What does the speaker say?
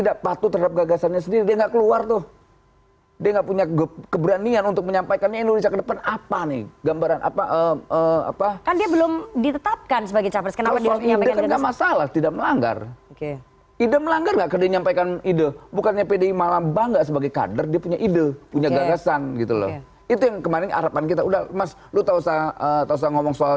kalau kemudian beliau ditinggal